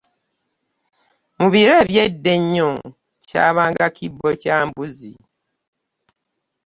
Mu biro eby’edda ennyo kyabanga kibbo kya mbuzi.